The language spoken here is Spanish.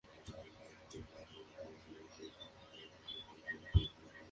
Sin dientes, poseen en su lugar unas placas anchas y lisas.